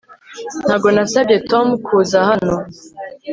Ntabwo nasabye Tom kuza hano